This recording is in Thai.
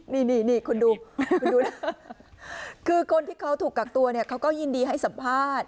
นี่นี่คุณดูคุณดูนะคือคนที่เขาถูกกักตัวเนี่ยเขาก็ยินดีให้สัมภาษณ์